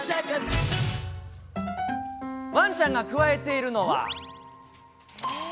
わんちゃんがくわえているのは。